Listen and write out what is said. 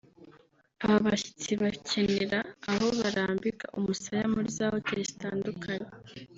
aba bashyitsi bakenera aho barambika umusaya muri za hoteli zitandukanye